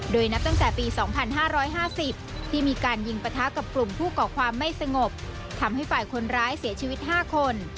โดยนับตั้งแต่ปี๒๕๕๐ที่มีการยิงปะทะกับกลุ่มผู้ก่อความไม่สงบทำให้ฝ่ายคนร้ายเสียชีวิต๕คน